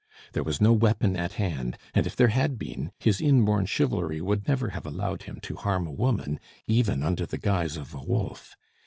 There was no weapon at hand; and if there had been, his inborn chivalry would never have allowed him to harm a woman even under the guise of a wolf.